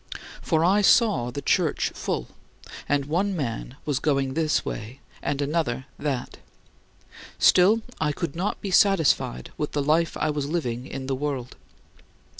2. For I saw the Church full; and one man was going this way and another that. Still, I could not be satisfied with the life I was living in the world.